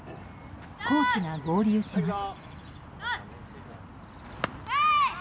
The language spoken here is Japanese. コーチが合流します。